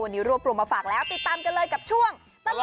วันนี้รวบรวมมาฝากแล้วติดตามกันเลยกับช่วงตลอด